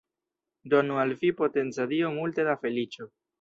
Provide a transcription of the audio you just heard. Donu al vi la potenca Dio multe da feliĉo.